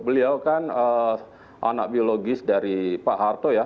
beliau kan anak biologis dari pak harto ya